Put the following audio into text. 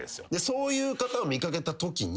そういう方を見かけたときに。